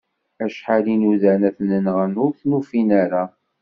Acḥal i nudan ad t-nɣen ur t-ufin ara.